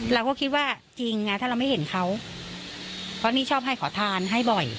เราก็คิดว่าจริงไงถ้าเราไม่เห็นเขาเพราะนี่ชอบให้ขอทานให้บ่อย